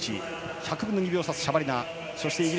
１００分の２秒差でシャバリナ。